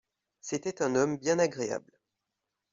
C'était un homme bien agréable